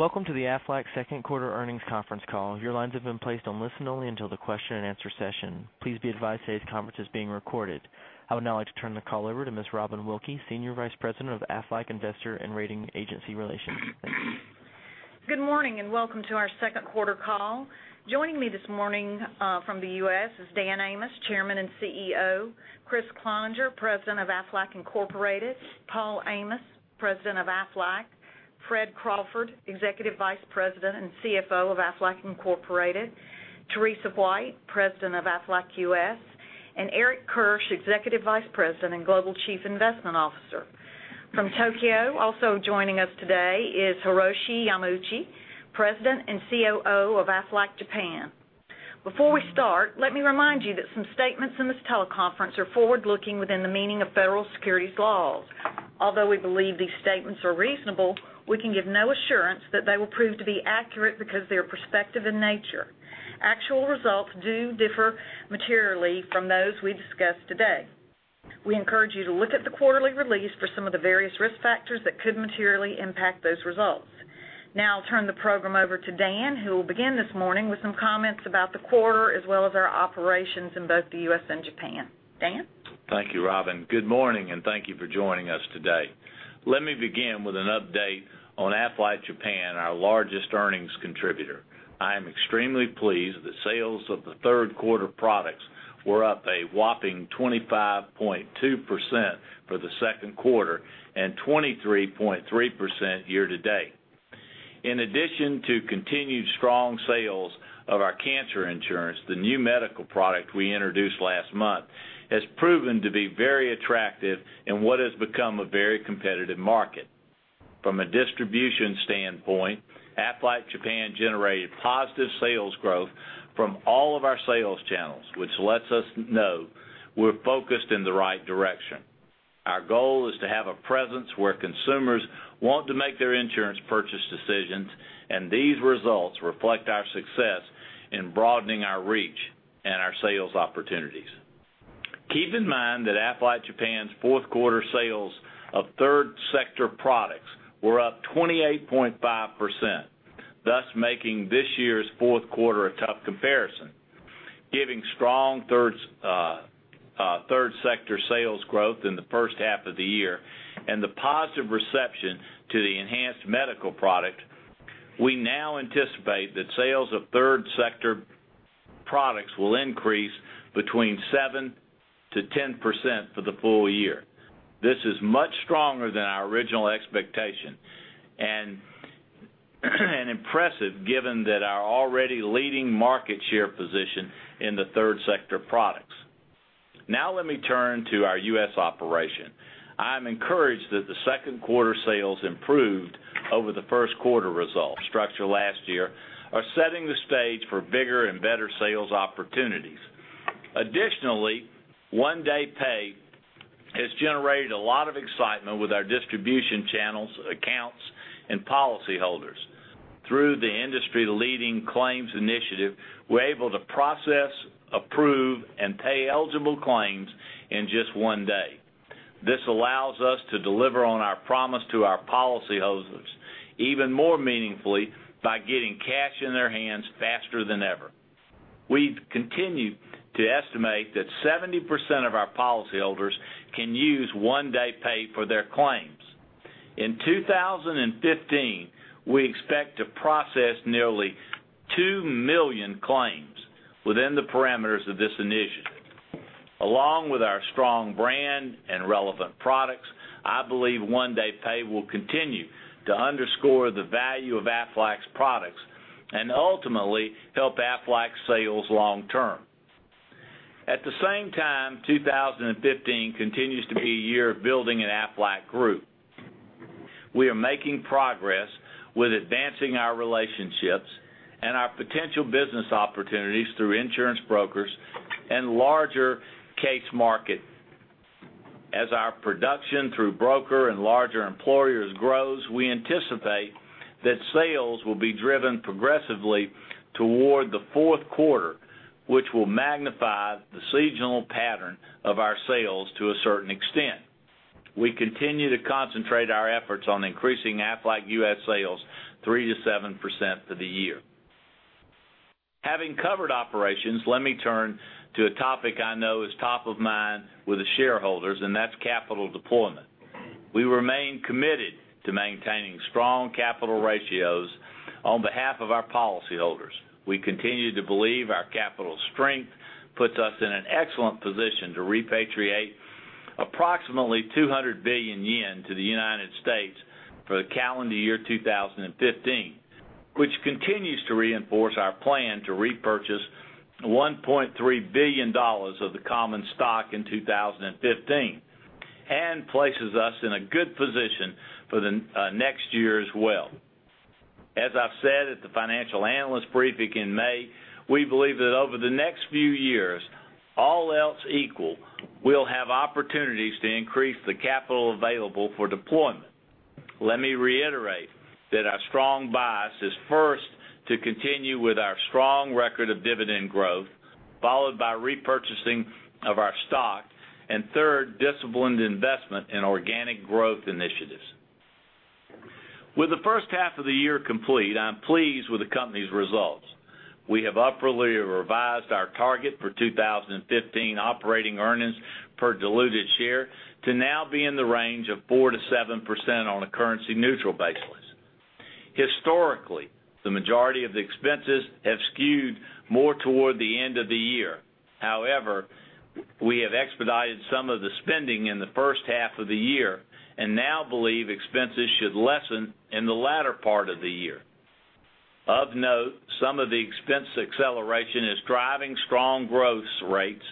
Welcome to the Aflac second quarter earnings conference call. Your lines have been placed on listen only until the question and answer session. Please be advised today's conference is being recorded. I would now like to turn the call over to Ms. Robin Wilkey, Senior Vice President of Aflac Investor and Rating Agency Relations. Thank you. Good morning, welcome to our second quarter call. Joining me this morning from the U.S. is Dan Amos, Chairman and CEO, Kriss Cloninger, President of Aflac Incorporated, Paul Amos, President of Aflac, Fred Crawford, Executive Vice President and CFO of Aflac Incorporated, Teresa White, President of Aflac U.S., and Eric Kirsch, Executive Vice President and Global Chief Investment Officer. From Tokyo, also joining us today is Hiroshi Yamauchi, President and COO of Aflac Japan. Before we start, let me remind you that some statements in this teleconference are forward-looking within the meaning of federal securities laws. Although we believe these statements are reasonable, we can give no assurance that they will prove to be accurate because they are prospective in nature. Actual results do differ materially from those we discuss today. We encourage you to look at the quarterly release for some of the various risk factors that could materially impact those results. Now I'll turn the program over to Dan, who will begin this morning with some comments about the quarter, as well as our operations in both the U.S. and Japan. Dan? Thank you, Robin. Good morning, thank you for joining us today. Let me begin with an update on Aflac Japan, our largest earnings contributor. I am extremely pleased that sales of the third sector products were up a whopping 25.2% for the second quarter and 23.3% year-to-date. In addition to continued strong sales of our cancer insurance, the new medical product we introduced last month has proven to be very attractive in what has become a very competitive market. From a distribution standpoint, Aflac Japan generated positive sales growth from all of our sales channels, which lets us know we're focused in the right direction. Our goal is to have a presence where consumers want to make their insurance purchase decisions, these results reflect our success in broadening our reach and our sales opportunities. Keep in mind that Aflac Japan's fourth quarter sales of third sector products were up 28.5%, thus making this year's fourth quarter a tough comparison. Giving strong third sector sales growth in the first half of the year and the positive reception to the enhanced medical product, we now anticipate that sales of third sector products will increase between 7%-10% for the full year. This is much stronger than our original expectation and impressive given that our already leading market share position in the third sector of products. Let me turn to our U.S. operation. I am encouraged that the second quarter sales improved over the first quarter result structure last year are setting the stage for bigger and better sales opportunities. Additionally, One Day Pay has generated a lot of excitement with our distribution channels, accounts, and policyholders. Through the industry-leading claims initiative, we're able to process, approve, and pay eligible claims in just one day. This allows us to deliver on our promise to our policyholders even more meaningfully by getting cash in their hands faster than ever. We've continued to estimate that 70% of our policyholders can use One Day Pay for their claims. In 2015, we expect to process nearly 2 million claims within the parameters of this initiative. Along with our strong brand and relevant products, I believe One Day Pay will continue to underscore the value of Aflac's products and ultimately help Aflac's sales long term. At the same time, 2015 continues to be a year of building an Aflac Group. We are making progress with advancing our relationships and our potential business opportunities through insurance brokers and larger case market. As our production through broker and larger employers grows, we anticipate that sales will be driven progressively toward the fourth quarter, which will magnify the seasonal pattern of our sales to a certain extent. We continue to concentrate our efforts on increasing Aflac U.S. sales 3%-7% for the year. Having covered operations, let me turn to a topic I know is top of mind with the shareholders, that's capital deployment. We remain committed to maintaining strong capital ratios on behalf of our policyholders. We continue to believe our capital strength puts us in an excellent position to repatriate approximately 200 billion yen to the United States for the calendar year 2015, which continues to reinforce our plan to repurchase $1.3 billion of the common stock in 2015 and places us in a good position for the next year as well. As I've said at the financial analyst briefing in May, we believe that over the next few years, all else equal, we'll have opportunities to increase the capital available for deployment. Let me reiterate that our strong bias is first to continue with our strong record of dividend growth, followed by repurchasing of our stock. Third, disciplined investment in organic growth initiatives. With the first half of the year complete, I'm pleased with the company's results. We have upwardly revised our target for 2015 operating earnings per diluted share to now be in the range of 4%-7% on a currency neutral basis. Historically, the majority of the expenses have skewed more toward the end of the year. However, we have expedited some of the spending in the first half of the year and now believe expenses should lessen in the latter part of the year. Of note, some of the expense acceleration is driving strong growth rates.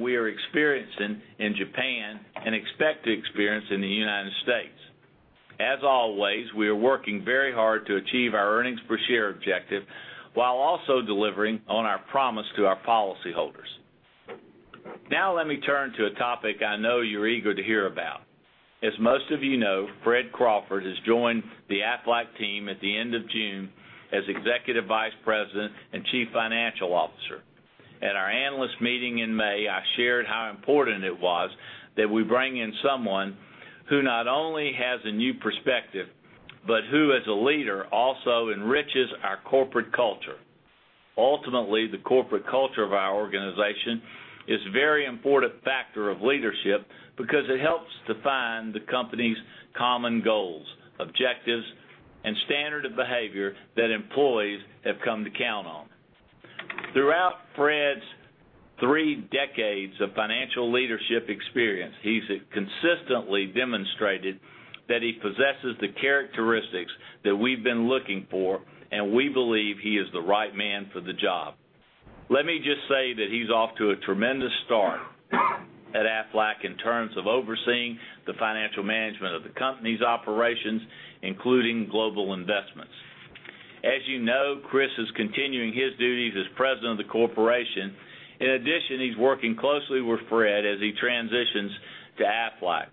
We are experiencing in Japan and expect to experience in the United States. As always, we are working very hard to achieve our earnings per share objective while also delivering on our promise to our policyholders. Now let me turn to a topic I know you're eager to hear about. As most of you know, Fred Crawford has joined the Aflac team at the end of June as Executive Vice President and Chief Financial Officer. At our analyst meeting in May, I shared how important it was that we bring in someone who not only has a new perspective, but who as a leader also enriches our corporate culture. Ultimately, the corporate culture of our organization is very important factor of leadership because it helps define the company's common goals, objectives, and standard of behavior that employees have come to count on. Throughout Fred's three decades of financial leadership experience, he's consistently demonstrated that he possesses the characteristics that we've been looking for. We believe he is the right man for the job. Let me just say that he's off to a tremendous start at Aflac in terms of overseeing the financial management of the company's operations, including global investments. As you know, Kriss is continuing his duties as President of the Corporation. In addition, he's working closely with Fred as he transitions to Aflac.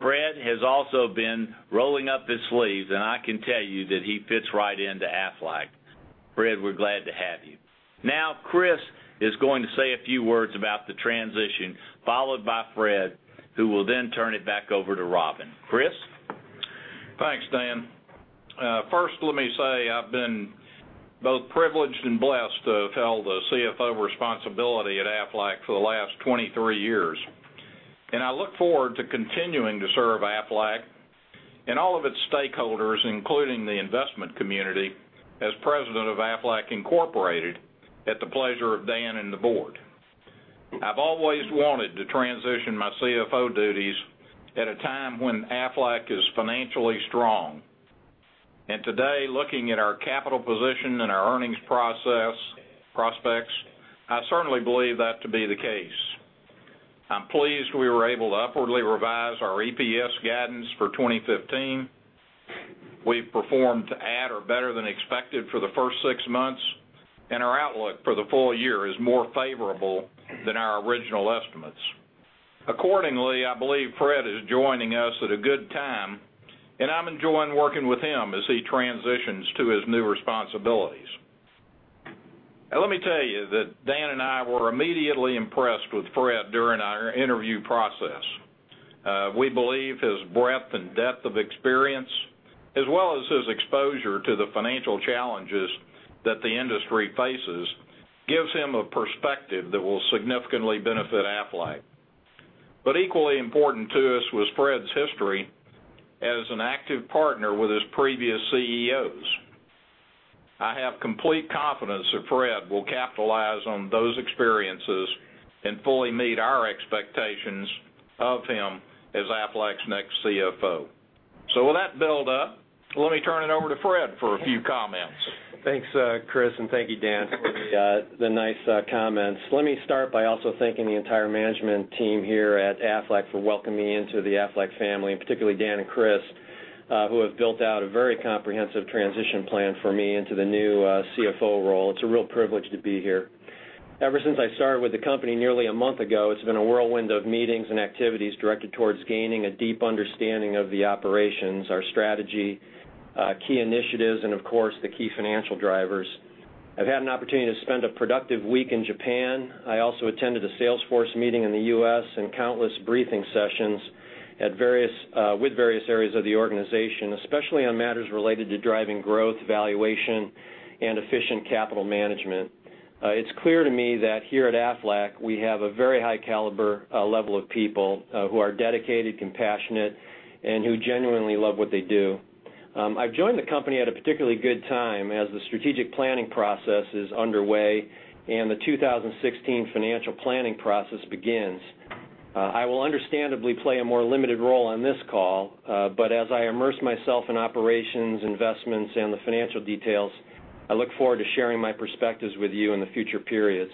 Fred has also been rolling up his sleeves. I can tell you that he fits right into Aflac. Fred, we're glad to have you. Kriss is going to say a few words about the transition, followed by Fred, who will then turn it back over to Robin. Kriss? Thanks, Dan. First let me say I've been both privileged and blessed to have held the CFO responsibility at Aflac for the last 23 years. I look forward to continuing to serve Aflac and all of its stakeholders, including the investment community, as President of Aflac Incorporated at the pleasure of Dan and the board. I've always wanted to transition my CFO duties at a time when Aflac is financially strong. Today, looking at our capital position and our earnings prospects, I certainly believe that to be the case. I'm pleased we were able to upwardly revise our EPS guidance for 2015. We've performed at or better than expected for the first six months. Our outlook for the full year is more favorable than our original estimates. I believe Fred is joining us at a good time, and I'm enjoying working with him as he transitions to his new responsibilities. Let me tell you that Dan and I were immediately impressed with Fred during our interview process. We believe his breadth and depth of experience, as well as his exposure to the financial challenges that the industry faces, gives him a perspective that will significantly benefit Aflac. Equally important to us was Fred's history as an active partner with his previous CEOs. I have complete confidence that Fred will capitalize on those experiences and fully meet our expectations of him as Aflac's next CFO. With that build up, let me turn it over to Fred for a few comments. Thanks, Kriss, and thank you, Dan, for the nice comments. Let me start by also thanking the entire management team here at Aflac for welcoming me into the Aflac family, and particularly Dan and Kriss, who have built out a very comprehensive transition plan for me into the new CFO role. It's a real privilege to be here. Ever since I started with the company nearly a month ago, it's been a whirlwind of meetings and activities directed towards gaining a deep understanding of the operations, our strategy, key initiatives, and of course, the key financial drivers. I've had an opportunity to spend a productive week in Japan. I also attended a sales force meeting in the U.S. and countless briefing sessions with various areas of the organization, especially on matters related to driving growth, valuation, and efficient capital management. It's clear to me that here at Aflac we have a very high caliber level of people who are dedicated, compassionate, and who genuinely love what they do. I've joined the company at a particularly good time as the strategic planning process is underway and the 2016 financial planning process begins. I will understandably play a more limited role on this call. As I immerse myself in operations, investments, and the financial details, I look forward to sharing my perspectives with you in the future periods.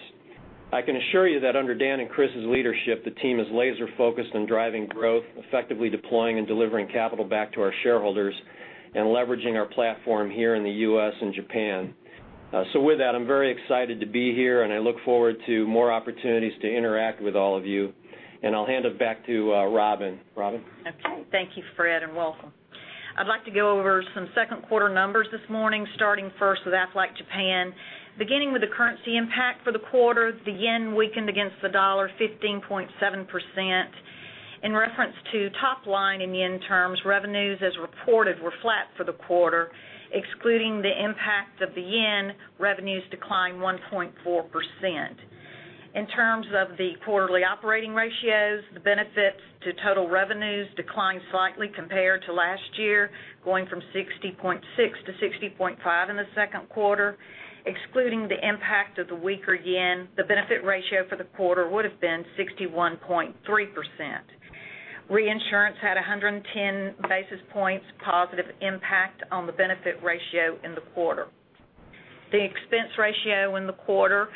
I can assure you that under Dan and Kriss's leadership, the team is laser focused on driving growth, effectively deploying and delivering capital back to our shareholders, and leveraging our platform here in the U.S. and Japan. With that, I'm very excited to be here, and I look forward to more opportunities to interact with all of you, and I'll hand it back to Robin. Robin? Okay. Thank you, Fred, and welcome. I'd like to go over some second quarter numbers this morning, starting first with Aflac Japan. Beginning with the currency impact for the quarter, the yen weakened against the dollar 15.7%. In reference to top line in yen terms, revenues as reported were flat for the quarter. Excluding the impact of the yen, revenues declined 1.4%. In terms of the quarterly operating ratios, the benefits to total revenues declined slightly compared to last year, going from 60.6% to 60.5% in the second quarter. Excluding the impact of the weaker yen, the benefit ratio for the quarter would've been 61.3%. Reinsurance had 110 basis points positive impact on the benefit ratio in the quarter. The expense ratio in the quarter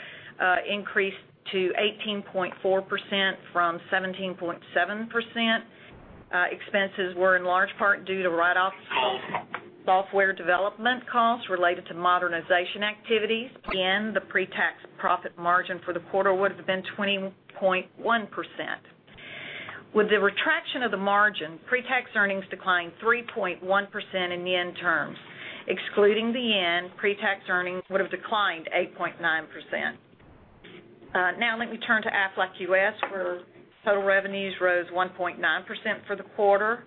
increased to 18.4% from 17.7%. Expenses were in large part due to write-offs of software development costs related to modernization activities. The pre-tax profit margin for the quarter would've been 20.1%. With the retraction of the margin, pre-tax earnings declined 3.1% in yen terms. Excluding the yen, pre-tax earnings would've declined 8.9%. Let me turn to Aflac U.S., where total revenues rose 1.9% for the quarter.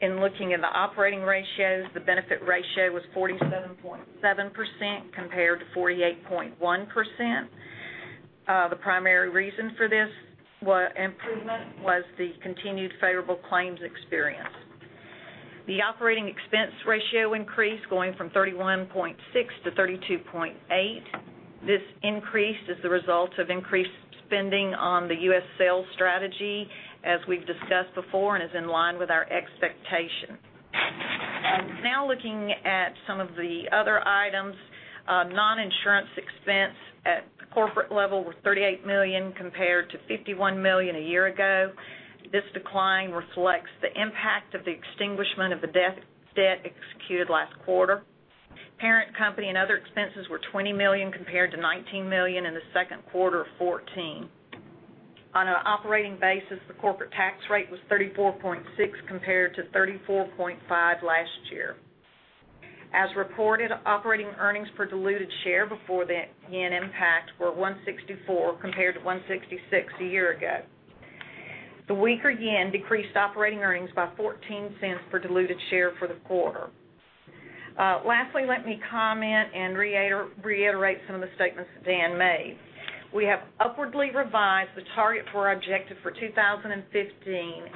In looking in the operating ratios, the benefit ratio was 47.7% compared to 48.1%. The primary reason for this improvement was the continued favorable claims experience. The operating expense ratio increased, going from 31.6% to 32.8%. This increase is the result of increased spending on the U.S. sales strategy as we've discussed before and is in line with our expectations. Looking at some of the other items. Non-insurance expense at the corporate level were $38 million compared to $51 million a year ago. This decline reflects the impact of the extinguishment of the debt executed last quarter. Parent company and other expenses were $20 million compared to $19 million in the second quarter of 2014. On an operating basis, the corporate tax rate was 34.6% compared to 34.5% last year. As reported, operating earnings per diluted share before the yen impact were $1.64 compared to $1.66 a year ago. The weaker yen decreased operating earnings by $0.14 per diluted share for the quarter. Let me comment and reiterate some of the statements that Dan made. We have upwardly revised the target for our objective for 2015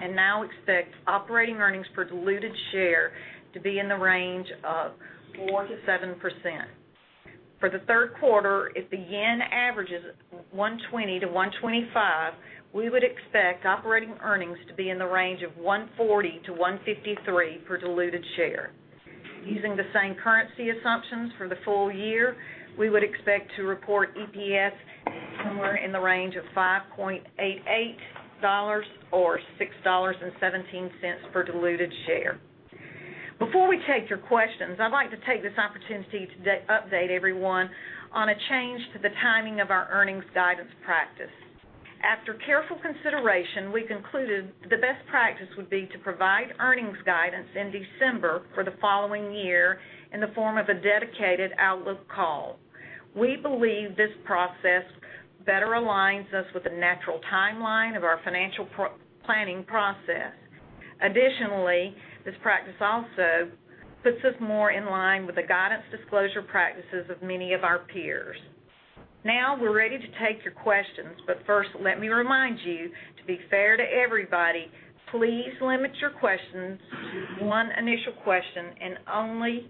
and now expect operating earnings per diluted share to be in the range of 4%-7%. For the third quarter, if the yen averages 120-125, we would expect operating earnings to be in the range of $1.40-$1.53 per diluted share. Using the same currency assumptions for the full year, we would expect to report EPS somewhere in the range of $5.88 or $6.17 per diluted share. Before we take your questions, I'd like to take this opportunity to update everyone on a change to the timing of our earnings guidance practice. After careful consideration, we concluded the best practice would be to provide earnings guidance in December for the following year in the form of a dedicated outlook call. We believe this process better aligns us with the natural timeline of our financial planning process. Additionally, this practice also puts us more in line with the guidance disclosure practices of many of our peers. First, let me remind you, to be fair to everybody, please limit your questions to one initial question and only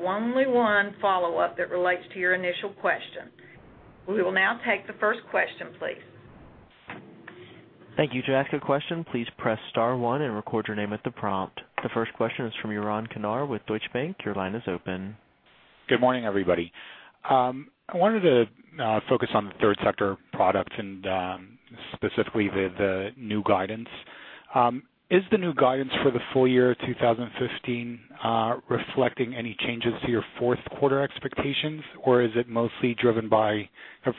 one follow-up that relates to your initial question. We will now take the first question, please. Thank you. To ask a question, please press *1 and record your name at the prompt. The first question is from Yaron Kinar with Deutsche Bank. Your line is open. Good morning, everybody. I wanted to focus on the third sector product and specifically the new guidance. Is the new guidance for the full year 2015 reflecting any changes to your fourth quarter expectations, or is it mostly driven by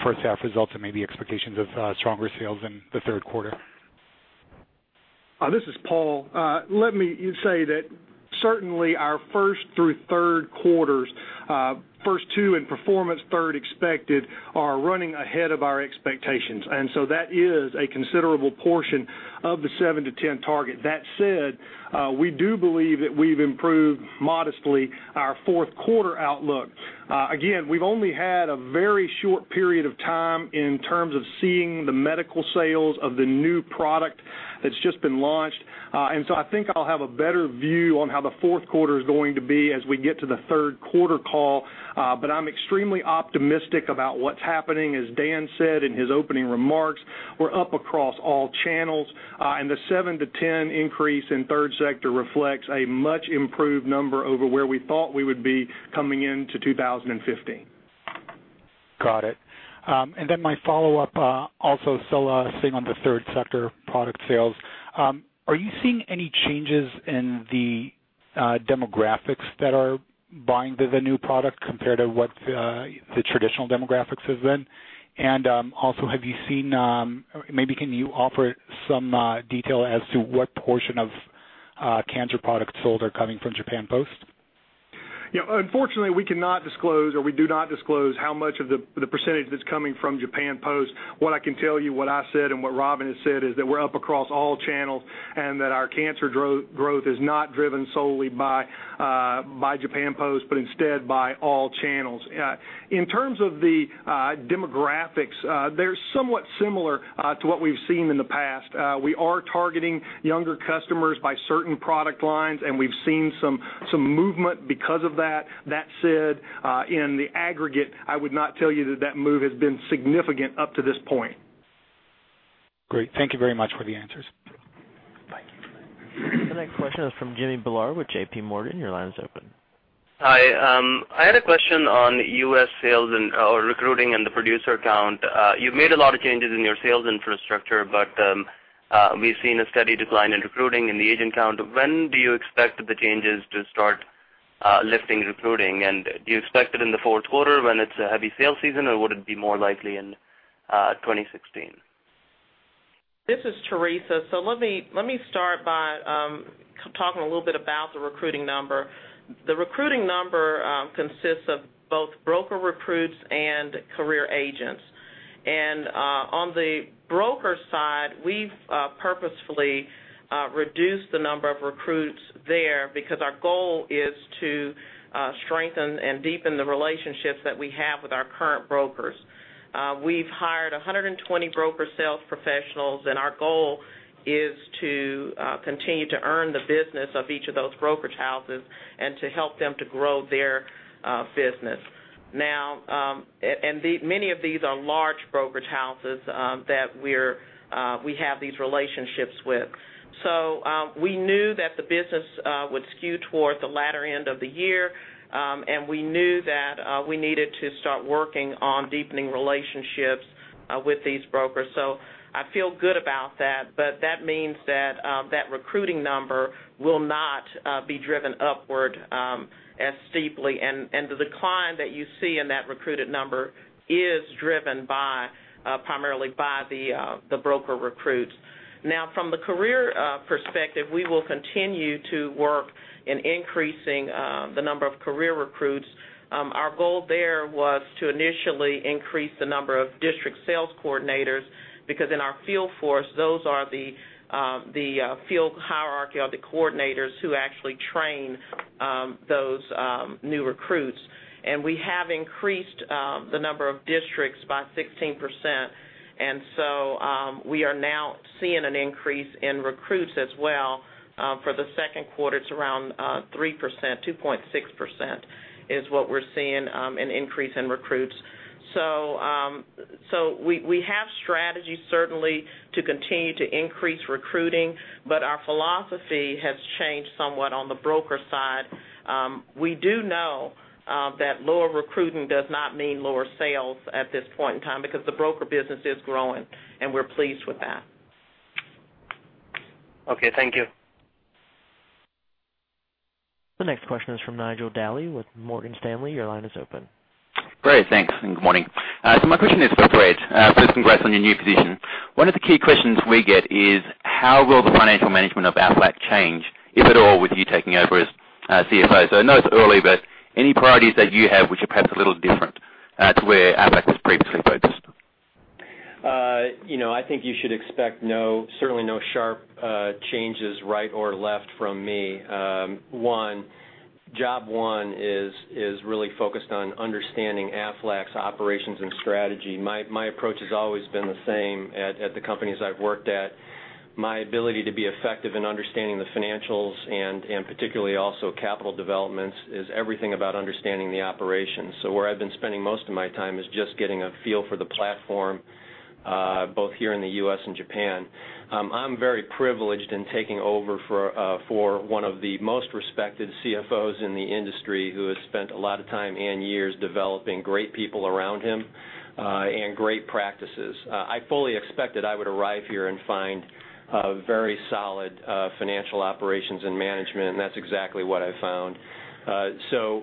first half results and maybe expectations of stronger sales in the third quarter? This is Paul. Let me say that certainly our first through third quarters, first two in performance, third expected, are running ahead of our expectations. That is a considerable portion of the 7-10 target. That said, we do believe that we've improved modestly our fourth quarter outlook. Again, we've only had a very short period of time in terms of seeing the medical sales of the new product that's just been launched. I think I'll have a better view on how the fourth quarter is going to be as we get to the third quarter call, but I'm extremely optimistic about what's happening. As Dan said in his opening remarks, we're up across all channels. The 7-10 increase in third sector reflects a much improved number over where we thought we would be coming into 2015. Got it. My follow-up, also still staying on the third sector product sales. Are you seeing any changes in the demographics that are buying the new product compared to what the traditional demographics has been? Also, maybe can you offer some detail as to what portion of cancer products sold are coming from Japan Post? Unfortunately, we cannot disclose, or we do not disclose how much of the percentage that's coming from Japan Post. What I can tell you, what I said and what Robin has said is that we're up across all channels and that our cancer growth is not driven solely by Japan Post, but instead by all channels. In terms of the demographics, they're somewhat similar to what we've seen in the past. We are targeting younger customers by certain product lines, and we've seen some movement because of that. That said, in the aggregate, I would not tell you that move has been significant up to this point. Great. Thank you very much for the answers. Thank you. The next question is from Jimmy Bhullar with J.P. Morgan. Your line is open. Hi, I had a question on U.S. sales or recruiting and the producer count. You've made a lot of changes in your sales infrastructure, but we've seen a steady decline in recruiting in the agent count. When do you expect the changes to start lifting recruiting? Do you expect it in the fourth quarter when it's a heavy sales season, or would it be more likely in 2016? This is Teresa. Let me start by talking a little bit about the recruiting number. The recruiting number consists of both broker recruits and career agents. On the broker side, we've purposefully reduced the number of recruits there because our goal is to strengthen and deepen the relationships that we have with our current brokers. We've hired 120 broker sales professionals, and our goal is to continue to earn the business of each of those brokerage houses and to help them to grow their business. Many of these are large brokerage houses that we have these relationships with. We knew that the business would skew toward the latter end of the year, and we knew that we needed to start working on deepening relationships with these brokers. I feel good about that, but that means that recruiting number will not be driven upward as steeply. The decline that you see in that recruited number is driven primarily by the broker recruits. From the career perspective, we will continue to work in increasing the number of career recruits. Our goal there was to initially increase the number of district sales coordinators because in our field force, those are the field hierarchy or the coordinators who actually train those new recruits. We have increased the number of districts by 16%, and we are now seeing an increase in recruits as well. For the second quarter, it's around 3%. 2.6% is what we're seeing an increase in recruits. We have strategies certainly to continue to increase recruiting, but our philosophy has changed somewhat on the broker side. We do know that lower recruiting does not mean lower sales at this point in time because the broker business is growing, and we're pleased with that. Okay, thank you. The next question is from Nigel Dally with Morgan Stanley. Your line is open. Great. Thanks, and good morning. My question is for Fred. First, congrats on your new position. One of the key questions we get is how will the financial management of Aflac change, if at all, with you taking over as CFO? I know it's early, but any priorities that you have, which are perhaps a little different to where Aflac has previously focused? I think you should expect certainly no sharp changes right or left from me. One, job one is really focused on understanding Aflac's operations and strategy. My approach has always been the same at the companies I've worked at. My ability to be effective in understanding the financials and particularly also capital developments is everything about understanding the operations. Where I've been spending most of my time is just getting a feel for the platform, both here in the U.S. and Japan. I'm very privileged in taking over for one of the most respected CFOs in the industry who has spent a lot of time and years developing great people around him and great practices. I fully expected I would arrive here and find very solid financial operations and management, and that's exactly what I found.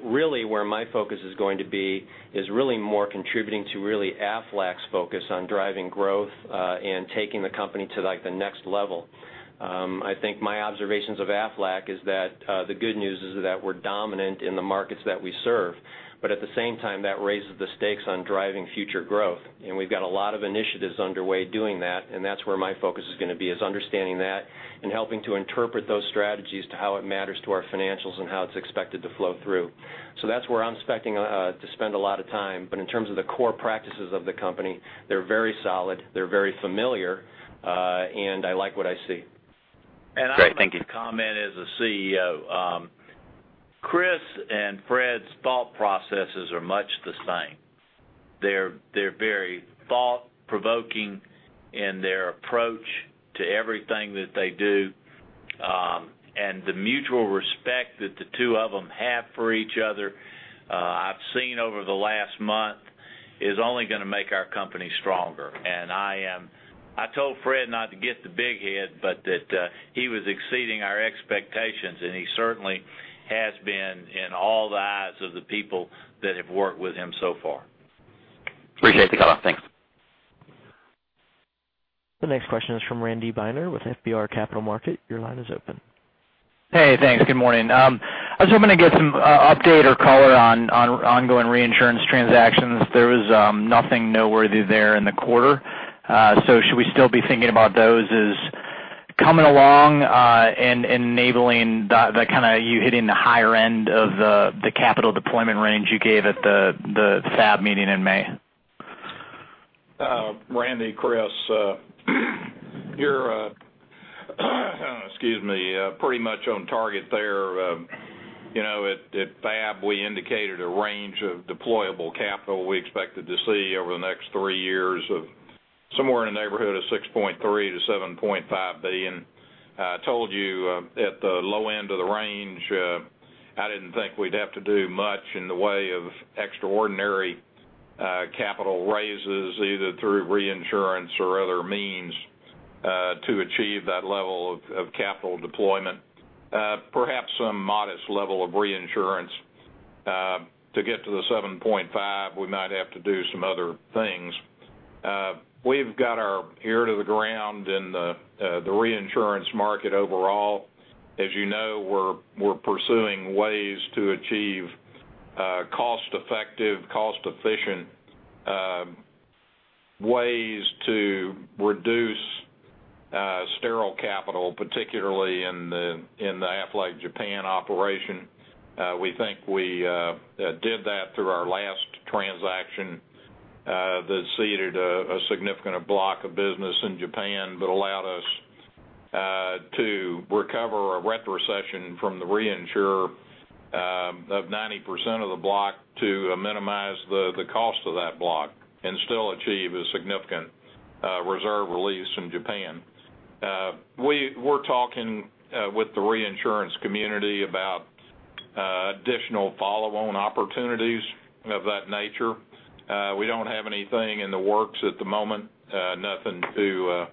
Really where my focus is going to be is really more contributing to really Aflac's focus on driving growth and taking the company to the next level. I think my observations of Aflac is that the good news is that we're dominant in the markets that we serve, but at the same time, that raises the stakes on driving future growth. We've got a lot of initiatives underway doing that, and that's where my focus is going to be, is understanding that and helping to interpret those strategies to how it matters to our financials and how it's expected to flow through. That's where I'm expecting to spend a lot of time. In terms of the core practices of the company, they're very solid, they're very familiar, and I like what I see. Great. Thank you. I'd like to comment as a CEO. Kriss and Fred's thought processes are much the same. They're very thought-provoking in their approach to everything that they do. The mutual respect that the two of them have for each other, I've seen over the last month, is only going to make our company stronger. I told Fred not to get the big head, but that he was exceeding our expectations, and he certainly has been in all the eyes of the people that have worked with him so far. Appreciate the color. Thanks. The next question is from Randy Binner with FBR Capital Markets. Your line is open. Hey, thanks. Good morning. I was hoping to get some update or color on ongoing reinsurance transactions. There was nothing noteworthy there in the quarter. Should we still be thinking about those as coming along, and enabling you hitting the higher end of the capital deployment range you gave at the FAB meeting in May? Randy, Kriss, you're pretty much on target there. At FAB, we indicated a range of deployable capital we expected to see over the next three years of somewhere in the neighborhood of $6.3 billion-$7.5 billion. I told you at the low end of the range, I didn't think we'd have to do much in the way of extraordinary capital raises, either through reinsurance or other means, to achieve that level of capital deployment. Perhaps some modest level of reinsurance. To get to the $7.5 billion, we might have to do some other things. We've got our ear to the ground in the reinsurance market overall. As you know, we're pursuing ways to achieve cost-effective, cost-efficient ways to reduce sterile capital, particularly in the Aflac Japan operation. We think we did that through our last transaction that ceded a significant block of business in Japan that allowed us to recover a retrocession from the reinsurer of 90% of the block to minimize the cost of that block and still achieve a significant reserve release from Japan. We're talking with the reinsurance community about additional follow-on opportunities of that nature. We don't have anything in the works at the moment, nothing to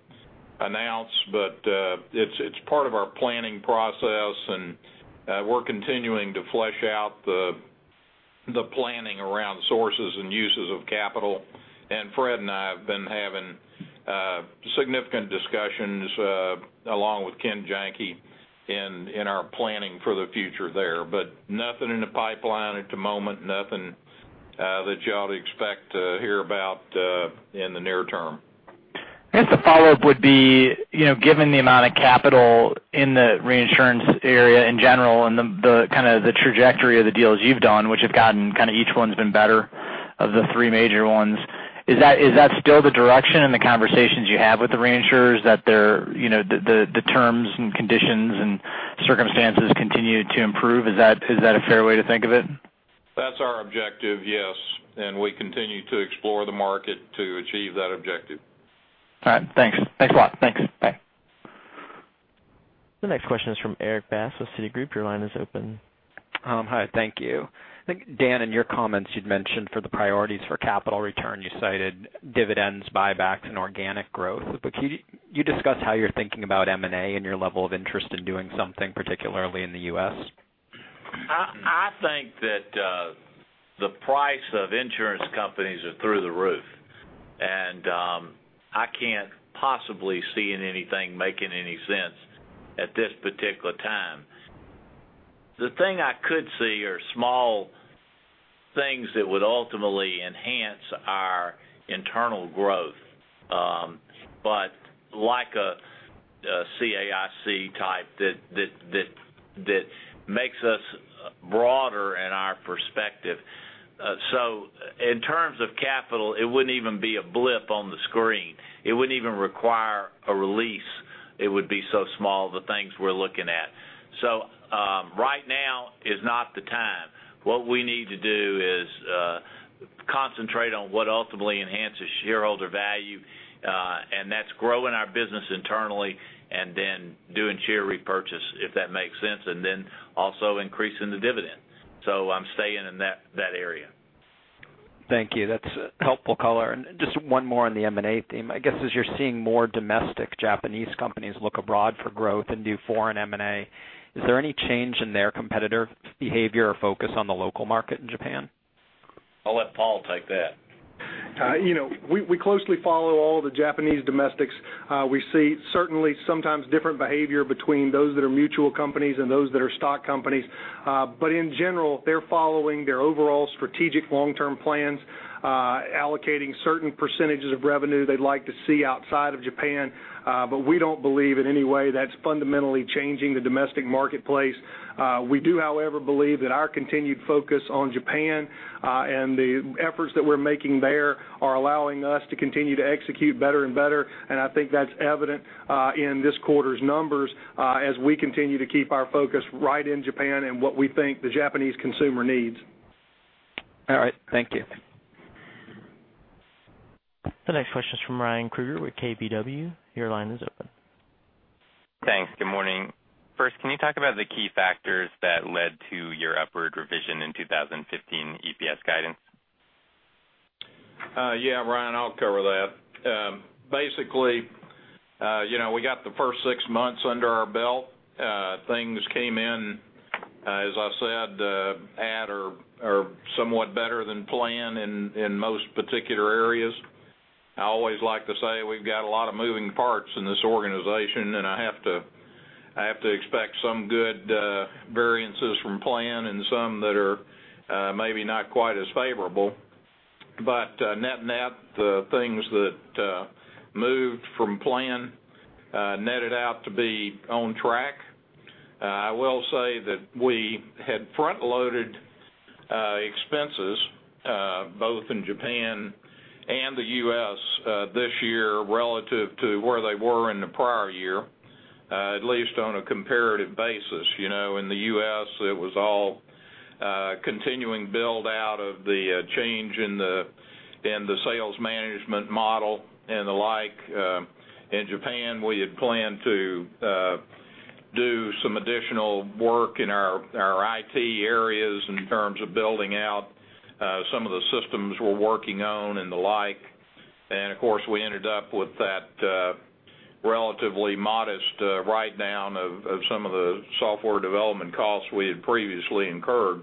announce, but it's part of our planning process, and we're continuing to flesh out the planning around sources and uses of capital. Fred and I have been having significant discussions, along with Ken Janke, in our planning for the future there. Nothing in the pipeline at the moment, nothing that you ought to expect to hear about in the near term. I guess a follow-up would be, given the amount of capital in the reinsurance area in general and the trajectory of the deals you've done, which have gotten, each one's been better of the three major ones, is that still the direction in the conversations you have with the reinsurers, that the terms and conditions and circumstances continue to improve? Is that a fair way to think of it? That's our objective, yes. We continue to explore the market to achieve that objective. All right. Thanks. Thanks a lot. Thanks. Bye. The next question is from Erik Bass with Citigroup. Your line is open. Hi, thank you. I think, Dan, in your comments you'd mentioned for the priorities for capital return, you cited dividends, buybacks, and organic growth. Could you discuss how you're thinking about M&A and your level of interest in doing something, particularly in the U.S.? I think that the price of insurance companies are through the roof, and I can't possibly see anything making any sense at this particular time. The thing I could see are small things that would ultimately enhance our internal growth, but like a CAIC type that makes us broader in our perspective. In terms of capital, it wouldn't even be a blip on the screen. It wouldn't even require a release, it would be so small, the things we're looking at. Right now is not the time. What we need to do is concentrate on what ultimately enhances shareholder value, and that's growing our business internally and then doing share repurchase, if that makes sense, and then also increasing the dividend. I'm staying in that area. Thank you. That's a helpful color. Just one more on the M&A theme. I guess as you're seeing more domestic Japanese companies look abroad for growth and do foreign M&A, is there any change in their competitor behavior or focus on the local market in Japan? I'll let Paul take that. We closely follow all the Japanese domestics. We see certainly sometimes different behavior between those that are mutual companies and those that are stock companies. In general, they're following their overall strategic long-term plans, allocating certain percentages of revenue they'd like to see outside of Japan. We don't believe in any way that's fundamentally changing the domestic marketplace. We do, however, believe that our continued focus on Japan, and the efforts that we're making there are allowing us to continue to execute better and better, and I think that's evident in this quarter's numbers as we continue to keep our focus right in Japan and what we think the Japanese consumer needs. All right, thank you. The next question is from Ryan Krueger with KBW. Your line is open. Thanks. Good morning. First, can you talk about the key factors that led to your upward revision in 2015 EPS guidance? Yeah, Ryan, I'll cover that. Basically, we got the first six months under our belt. Things came in, as I said, are somewhat better than planned in most particular areas. I always like to say we've got a lot of moving parts in this organization, and I have to expect some good variances from plan and some that are maybe not quite as favorable. Net, the things that moved from plan netted out to be on track. I will say that we had front-loaded expenses both in Japan and the U.S. this year relative to where they were in the prior year, at least on a comparative basis. In the U.S., it was all continuing build-out of the change in the sales management model and the like. In Japan, we had planned to do some additional work in our IT areas in terms of building out some of the systems we're working on and the like. Of course, we ended up with that relatively modest write-down of some of the software development costs we had previously incurred.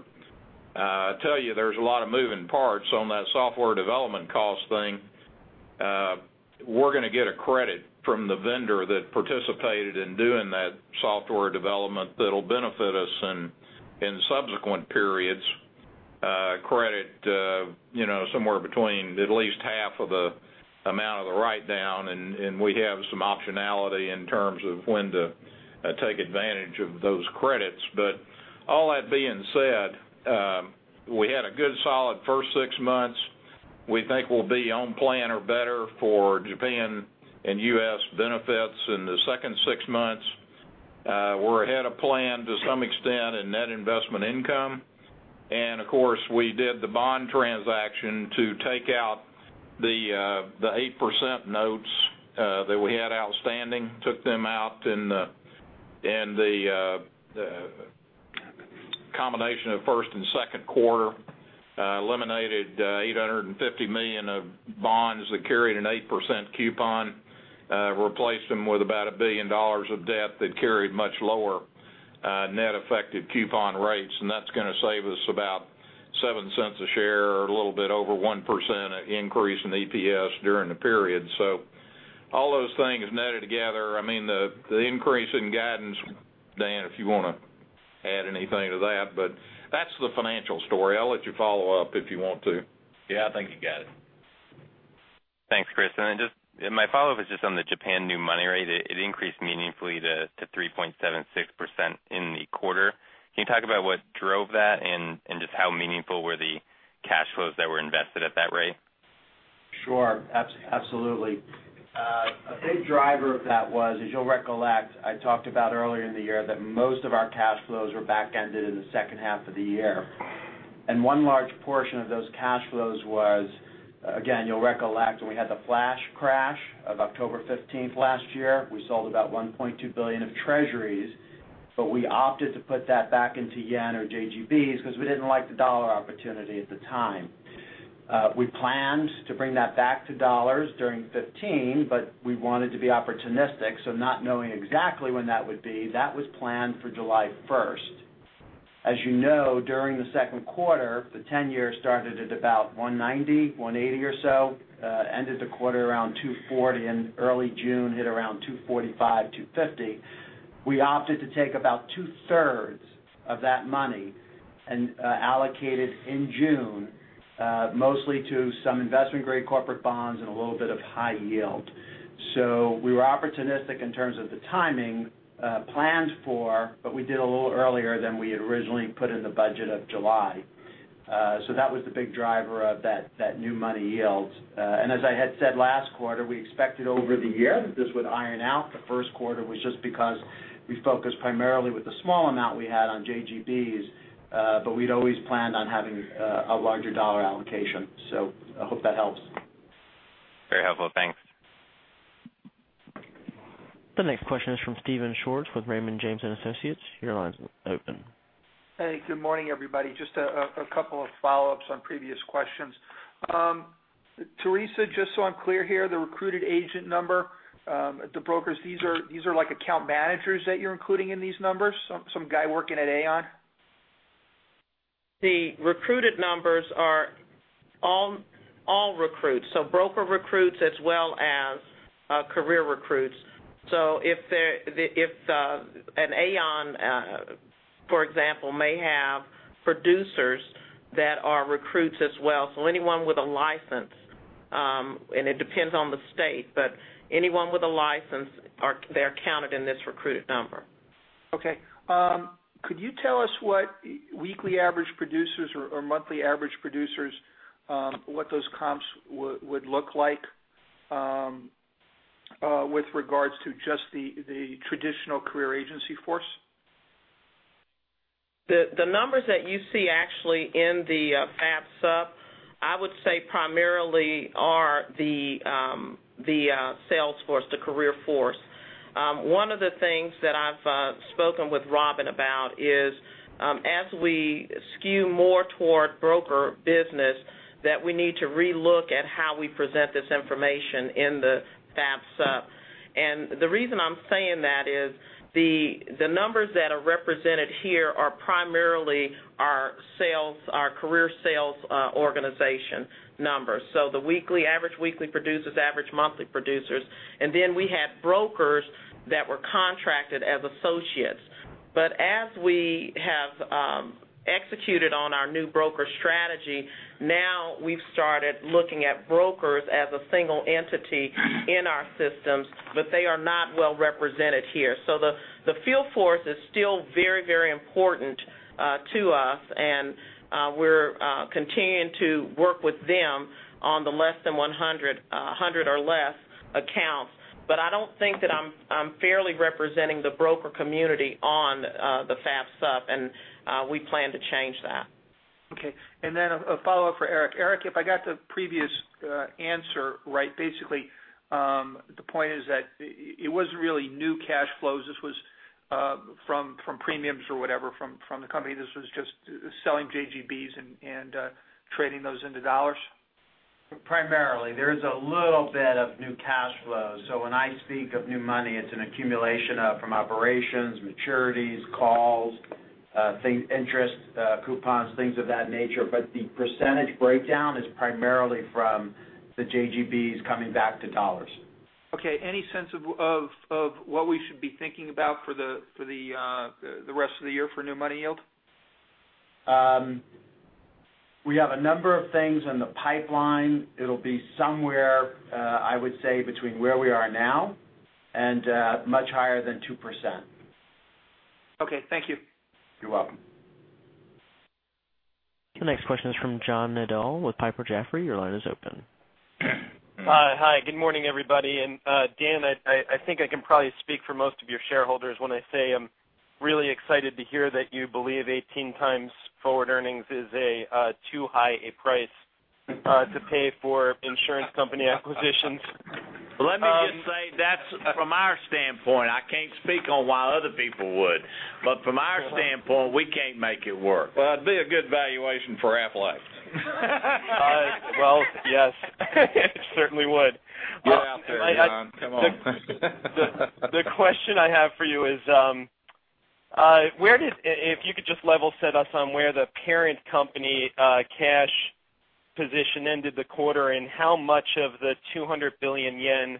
I tell you, there's a lot of moving parts on that software development cost thing. We're going to get a credit from the vendor that participated in doing that software development that'll benefit us in subsequent periods. A credit somewhere between at least half of the amount of the write-down, and we have some optionality in terms of when to take advantage of those credits. All that being said, we had a good solid first six months. We think we'll be on plan or better for Japan and U.S. benefits in the second six months. We're ahead of plan to some extent in net investment income. Of course, we did the bond transaction to take out the 8% notes that we had outstanding. Took them out in the combination of first and second quarter. Eliminated 850 million of bonds that carried an 8% coupon. Replaced them with about JPY 1 billion of debt that carried much lower net effective coupon rates. That's going to save us about 0.07 a share or a little bit over 1% increase in EPS during the period. All those things netted together, the increase in guidance, Dan, if you want to add anything to that. That's the financial story. I'll let you follow up if you want to. Yeah, I think you got it. Thanks, Kriss. My follow-up is just on the Japan new money rate. It increased meaningfully to 3.76% in the quarter. Can you talk about what drove that and just how meaningful were the cash flows that were invested at that rate? Sure. Absolutely. A big driver of that was, as you'll recollect, I talked about earlier in the year that most of our cash flows were backended in the second half of the year. One large portion of those cash flows was, again, you'll recollect, when we had the flash crash of October 15th last year. We sold about 1.2 billion of treasuries, but we opted to put that back into yen or JGBs because we didn't like the dollar opportunity at the time. We planned to bring that back to dollars during 2015, but we wanted to be opportunistic. Not knowing exactly when that would be, that was planned for July 1st. As you know, during the second quarter, the 10-year started at about 190, 180 or so. Ended the quarter around 240, in early June hit around 245, 250. We opted to take about two-thirds of that money and allocate it in June mostly to some investment-grade corporate bonds and a little bit of high yield. We were opportunistic in terms of the timing planned for, but we did a little earlier than we had originally put in the budget of July. That was the big driver of that new money yield. As I had said last quarter, we expected over the year that this would iron out. The first quarter was just because we focused primarily with the small amount we had on JGBs, but we'd always planned on having a larger dollar allocation. I hope that helps. Very helpful. Thanks. The next question is from Steven Schwartz with Raymond James & Associates. Your line's open. Hey, good morning, everybody. Just a couple of follow-ups on previous questions. Teresa, just so I'm clear here, the recruited agent number, the brokers, these are like account managers that you're including in these numbers? Some guy working at Aon? The recruited numbers are all recruits. Broker recruits as well as career recruits. If an Aon, for example, may have producers that are recruits as well, anyone with a license, and it depends on the state, but anyone with a license, they're counted in this recruited number. Okay. Could you tell us what weekly average producers or monthly average producers, what those comps would look like with regards to just the traditional career agency force? The numbers that you see actually in the Financial Supplement, I would say primarily are the sales force, the career force. One of the things that I've spoken with Robin about is, as we skew more toward broker business, that we need to relook at how we present this information in the Financial Supplement. The reason I'm saying that is the numbers that are represented here are primarily our career sales organization numbers. The average weekly producers, average monthly producers, and then we had brokers that were contracted as associates. As we have executed on our new broker strategy, now we've started looking at brokers as a single entity in our systems, but they are not well represented here. The field force is still very important to us, and we're continuing to work with them on the less than 100 or less accounts. I don't think that I'm fairly representing the broker community on the Financial Supplement, and we plan to change that. Okay. Then a follow-up for Eric. Eric, if I got the previous answer right, basically, the point is that it wasn't really new cash flows. This was from premiums or whatever from the company. This was just selling JGBs and trading those into dollars. Primarily. There is a little bit of new cash flow. When I speak of new money, it's an accumulation from operations, maturities, calls, interest coupons, things of that nature. The percentage breakdown is primarily from the JGBs coming back to dollars. Okay. Any sense of what we should be thinking about for the rest of the year for new money yield? We have a number of things in the pipeline. It'll be somewhere, I would say, between where we are now and much higher than 2%. Okay. Thank you. You're welcome. The next question is from John Nadel with Piper Jaffray. Your line is open. Hi. Good morning, everybody. Dan, I think I can probably speak for most of your shareholders when I say I'm really excited to hear that you believe 18 times forward earnings is a too high a price to pay for insurance company acquisitions. Let me just say that's from our standpoint. I can't speak on why other people would, but from our standpoint, we can't make it work. Well, it'd be a good valuation for Aflac. Well, yes, it certainly would. We're out there, John. Come on. The question I have for you is if you could just level set us on where the parent company cash position ended the quarter, and how much of the ¥200 billion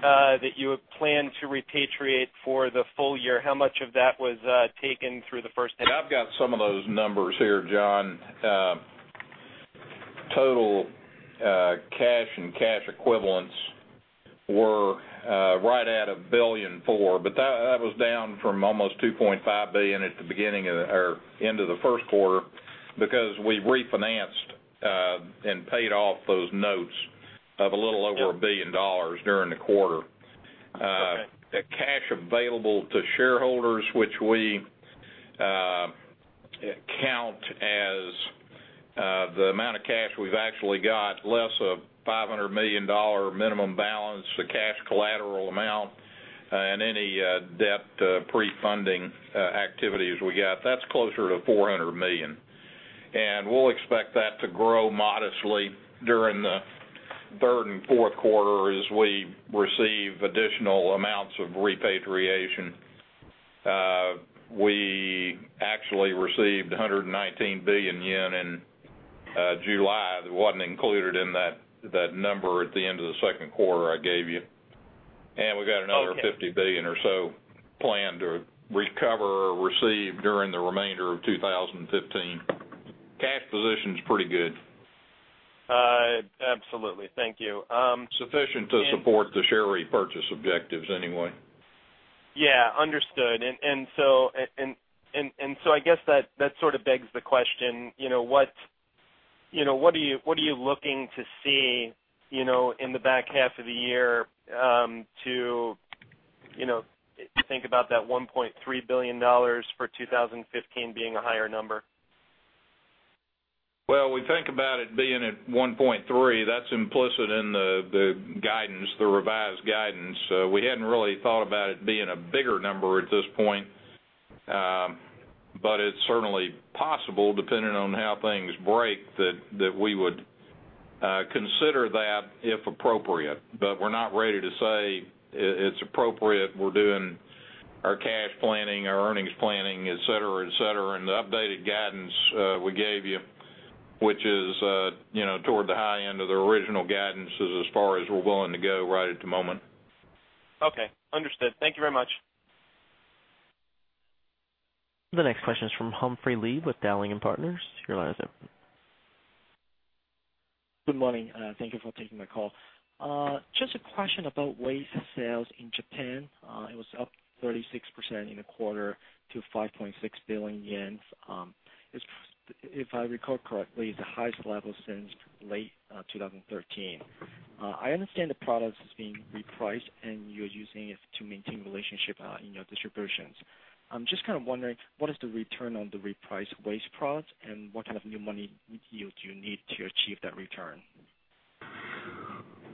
that you had planned to repatriate for the full year, how much of that was taken through the first end? I've got some of those numbers here, John. Total cash and cash equivalents were right at $1.4 billion, but that was down from almost $2.5 billion at the end of the first quarter because we refinanced and paid off those notes of a little over $1 billion during the quarter. Okay. Cash available to shareholders, which we count as the amount of cash we've actually got, less a $500 million minimum balance, the cash collateral amount, and any debt pre-funding activities we got. That's closer to $400 million. We'll expect that to grow modestly during the third and fourth quarter as we receive additional amounts of repatriation. We actually received ¥119 billion in July that wasn't included in that number at the end of the second quarter I gave you. We've got another 50 billion or so planned to recover or receive during the remainder of 2015. Cash position's pretty good. Absolutely. Thank you. Sufficient to support the share repurchase objectives anyway. Yeah, understood. I guess that sort of begs the question, what are you looking to see in the back half of the year to think about that $1.3 billion for 2015 being a higher number? Well, we think about it being at 1.3. That's implicit in the revised guidance. We hadn't really thought about it being a bigger number at this point. It's certainly possible, depending on how things break, that we would consider that if appropriate. We're not ready to say it's appropriate. We're doing our cash planning, our earnings planning, et cetera. The updated guidance we gave you, which is toward the high end of the original guidance, is as far as we're willing to go right at the moment. Okay, understood. Thank you very much. The next question is from Humphrey Lee with Dowling & Partners. Your line is open. Good morning. Thank you for taking the call. Just a question about WAYS sales in Japan. It was up 36% in the quarter to 5.6 billion yen. If I recall correctly, it's the highest level since late 2013. I understand the product is being repriced, and you're using it to maintain relationship in your distributions. I'm just kind of wondering, what is the return on the repriced WAYS products, and what kind of new money yield do you need to achieve that return?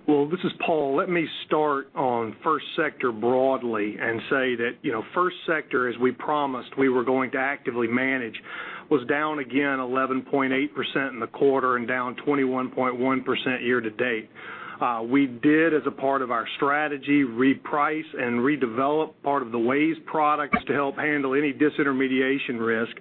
Well, this is Paul. Let me start on first sector broadly and say that first sector, as we promised, we were going to actively manage First sector was down again 11.8% in the quarter and down 21.1% year-to-date. We did, as a part of our strategy, reprice and redevelop part of the WAYS products to help handle any disintermediation risk.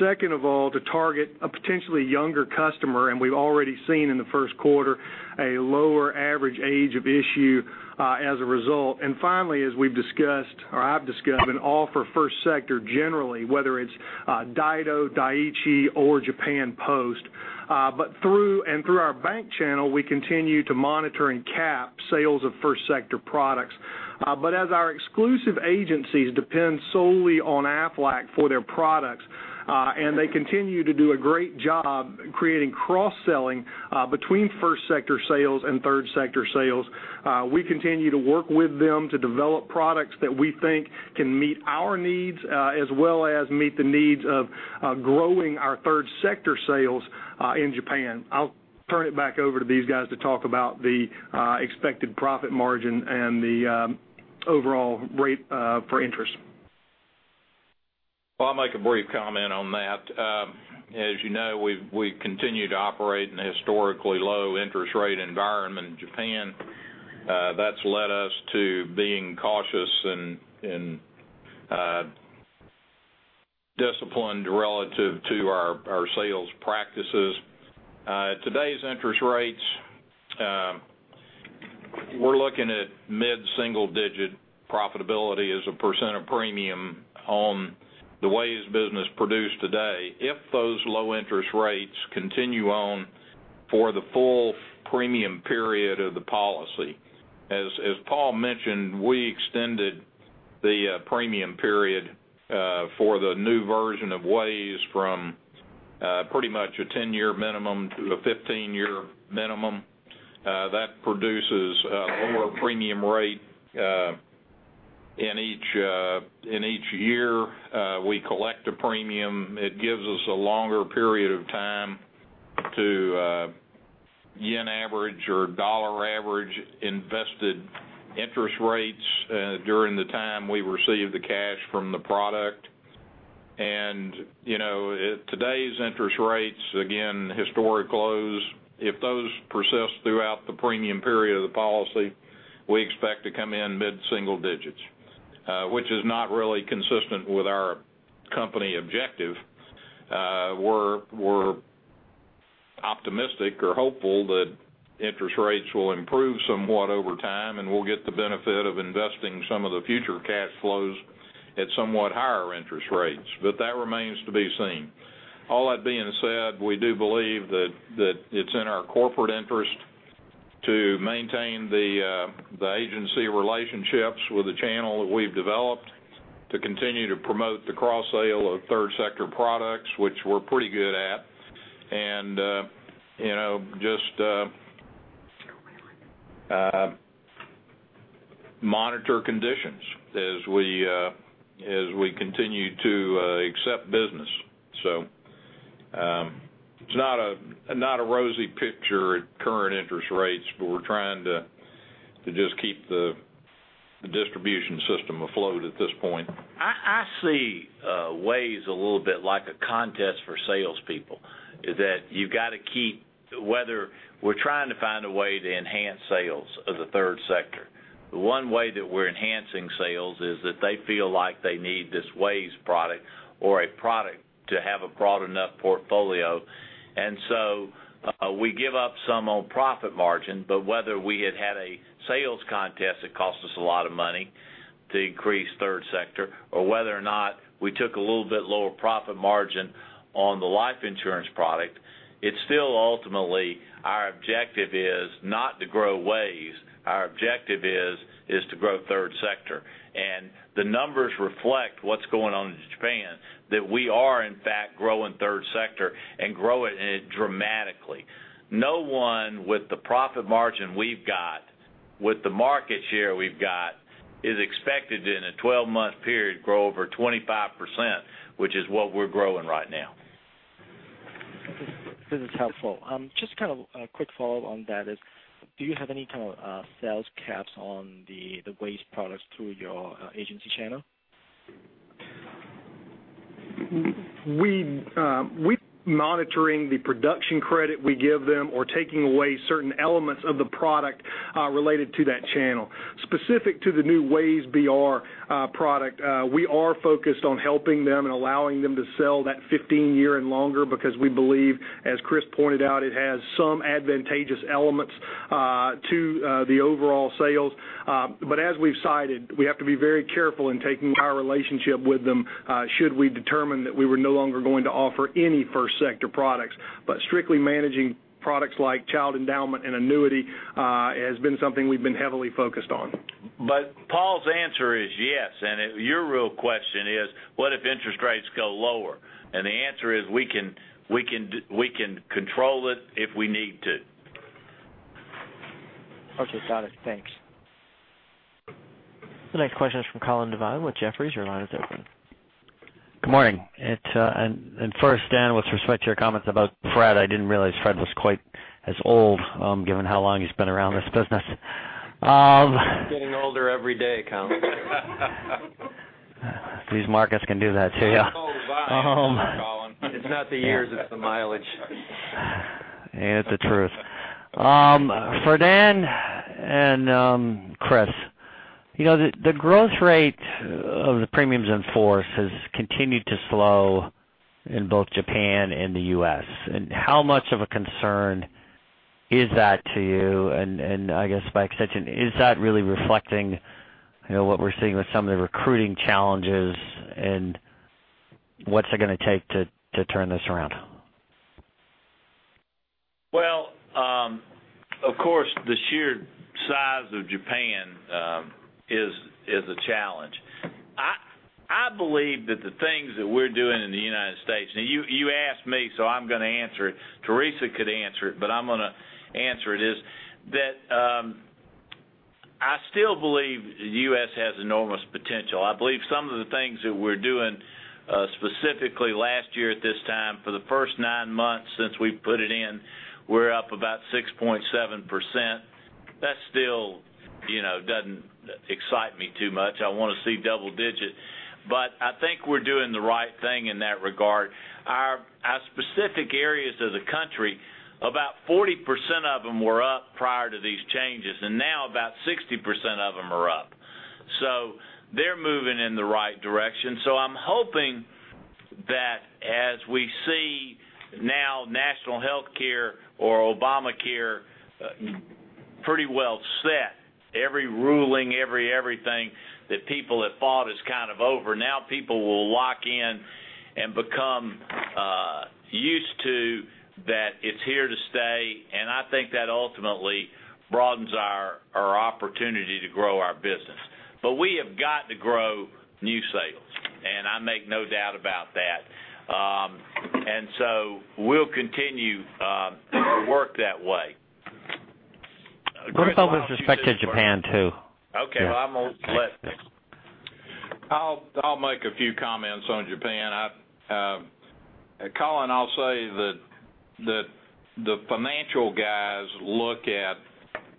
Second of all, to target a potentially younger customer, and we've already seen in the first quarter a lower average age of issue as a result. Finally, as we've discussed, or I've discussed, an offer first sector generally, whether it's Daido, Dai-ichi, or Japan Post. Through our bank channel, we continue to monitor and cap sales of first sector products. As our exclusive agencies depend solely on Aflac for their products, and they continue to do a great job creating cross-selling between first sector sales and third sector sales, we continue to work with them to develop products that we think can meet our needs, as well as meet the needs of growing our third sector sales in Japan. I'll turn it back over to these guys to talk about the expected profit margin and the overall rate for interest. I'll make a brief comment on that. As you know, we continue to operate in a historically low interest rate environment in Japan. That's led us to being cautious and disciplined relative to our sales practices. At today's interest rates, we're looking at mid-single digit profitability as a percent of premium on the WAYS business produced today if those low interest rates continue on for the full premium period of the policy. As Paul mentioned, we extended the premium period for the new version of WAYS from pretty much a 10-year minimum to a 15-year minimum. That produces a lower premium rate in each year we collect a premium. It gives us a longer period of time to yen average or dollar average invested interest rates during the time we receive the cash from the product. At today's interest rates, again, historic lows, if those persist throughout the premium period of the policy, we expect to come in mid-single digits, which is not really consistent with our company objective. We're optimistic or hopeful that interest rates will improve somewhat over time, and we'll get the benefit of investing some of the future cash flows at somewhat higher interest rates, but that remains to be seen. All that being said, we do believe that it's in our corporate interest to maintain the agency relationships with the channel that we've developed to continue to promote the cross-sale of third sector products, which we're pretty good at, and just monitor conditions as we continue to accept business. It's not a rosy picture at current interest rates, but we're trying to just keep the distribution system afloat at this point. I see WAYS a little bit like a contest for salespeople, is that you've got to keep whether we're trying to find a way to enhance sales of the third sector. One way that we're enhancing sales is that they feel like they need this WAYS product or a product to have a broad enough portfolio. We give up some on profit margin, but whether we had had a sales contest that cost us a lot of money to increase third sector, or whether or not we took a little bit lower profit margin on the life insurance product, it's still ultimately our objective is not to grow WAYS. Our objective is to grow third sector. The numbers reflect what's going on in Japan, that we are in fact growing third sector and growing it dramatically. No one with the profit margin we've got, with the market share we've got, is expected in a 12-month period grow over 25%, which is what we're growing right now. This is helpful. Just kind of a quick follow on that is, do you have any kind of sales caps on the WAYS products through your agency channel? We're monitoring the production credit we give them or taking away certain elements of the product related to that channel. Specific to the new WAYS BR product, we are focused on helping them and allowing them to sell that 15 year and longer because we believe, as Kriss pointed out, it has some advantageous elements to the overall sales. As we've cited, we have to be very careful in taking our relationship with them should we determine that we were no longer going to offer any first sector products. Strictly managing products like Child Endowment and annuity has been something we've been heavily focused on. Paul's answer is yes, your real question is, what if interest rates go lower? The answer is we can control it if we need to. Okay, got it. Thanks. The next question is from Colin Devine with Jefferies. Your line is open. Good morning. First, Dan, with respect to your comments about Fred, I didn't realize Fred was quite as old given how long he's been around this business. I'm getting older every day, Colin. These markets can do that to you. I'm old by, Colin. It's not the years, it's the mileage. It's the truth. Fred and Kriss, the growth rate of the premiums in force has continued to slow in both Japan and the U.S. How much of a concern is that to you? I guess by extension, is that really reflecting what we're seeing with some of the recruiting challenges, and what's it going to take to turn this around? Well, of course, the sheer size of Japan is a challenge. I believe that the things that we're doing in the United States. Now, you asked me, so I'm going to answer it. Teresa could answer it, but I'm going to answer it, is that I still believe the U.S. has enormous potential. I believe some of the things that we're doing, specifically last year at this time, for the first nine months since we've put it in, we're up about 6.7%. That still doesn't excite me too much. I want to see double digit. I think we're doing the right thing in that regard. Our specific areas of the country, about 40% of them were up prior to these changes, and now about 60% of them are up. They're moving in the right direction. I'm hoping that as we see now national healthcare or Obamacare pretty well set, every ruling, every everything that people have fought is kind of over. People will lock in and become used to that it's here to stay, and I think that ultimately broadens our opportunity to grow our business. We have got to grow new sales, and I make no doubt about that. We'll continue to work that way. Kriss- What about with respect to Japan, too? Okay. I'll make a few comments on Japan. Colin, I'll say that the financial guys look at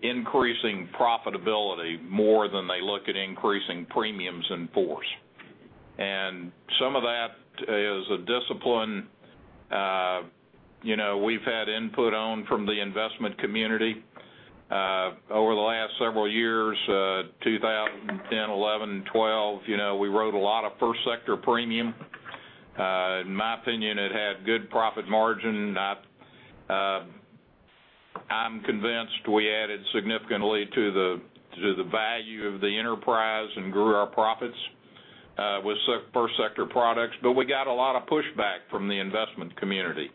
increasing profitability more than they look at increasing premiums in force. Some of that is a discipline we've had input on from the investment community. Over the last several years, 2010, 2011, and 2012, we wrote a lot of first sector premium. In my opinion, it had good profit margin. I'm convinced we added significantly to the value of the enterprise and grew our profits with first sector products. We got a lot of pushback from the investment community